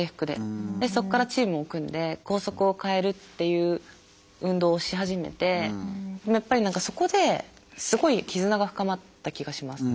そこからチームを組んで校則を変えるっていう運動をし始めてやっぱり何かそこですごい絆が深まった気がします。